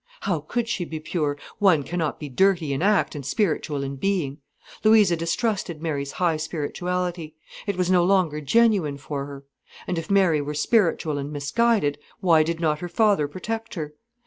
How could she be pure—one cannot be dirty in act and spiritual in being. Louisa distrusted Mary's high spirituality. It was no longer genuine for her. And if Mary were spiritual and misguided, why did not her father protect her?